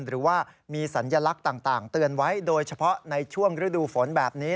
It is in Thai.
หรือว่ามีสัญลักษณ์ต่างเตือนไว้โดยเฉพาะในช่วงฤดูฝนแบบนี้